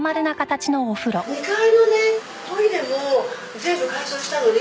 ２階のねトイレも全部改装したのね。